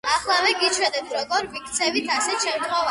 ახლავე გიჩვენებთ როგორ ვიქცევით ასეთ შემთხვევებში.